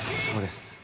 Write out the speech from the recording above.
そうです。